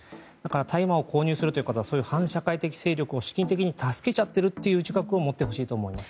大麻を購入するということはそういう反社会的勢力を資金的に助けちゃっているという自覚を持ってほしいと思います。